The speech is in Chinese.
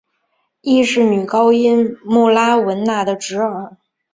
亦是女高音穆拉汶娜的侄儿。